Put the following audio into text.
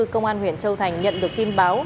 công an huyện châu thành nhận được tin báo